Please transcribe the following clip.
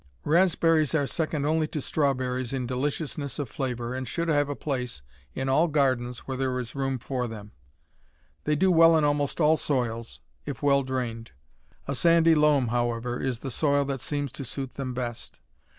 Raspberries are second only to strawberries in deliciousness of flavor, and should have a place in all gardens where there is room for them. They do well in almost all soils, if well drained. A sandy loam, however, is the soil that seems to suit them best.